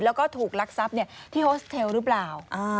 แล้วก็ถูกรักทรัพย์ที่โฮสเทลหรือเปล่า